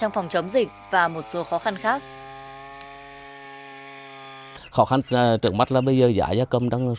phòng chống dịch và một số khó khăn khác